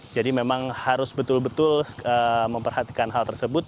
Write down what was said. jadi memang harus betul betul memperhatikan hal tersebut